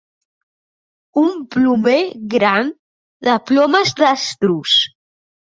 Un plomer gran de plomes d'estruç.